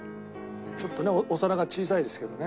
ちょっとねお皿が小さいですけどね。